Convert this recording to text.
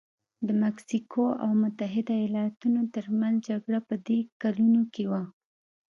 د مکسیکو او متحده ایالتونو ترمنځ جګړه په دې کلونو کې وه.